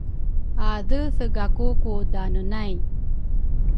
adeethe gaku ku daane nay